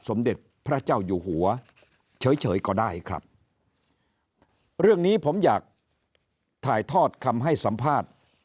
สมเด็จพระเจ้าอยู่หัวเฉยเฉยก็ได้ครับเรื่องนี้ผมอยากถ่ายทอดคำให้สัมภาษณ์